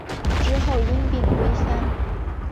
之后因病归乡。